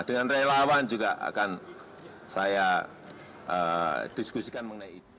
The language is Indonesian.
dengan relawan juga akan saya diskusikan mengenai itu